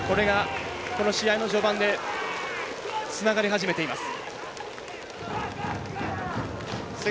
この試合の序盤でつながり始めています。